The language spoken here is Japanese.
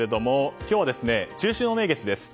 今日は中秋の名月です。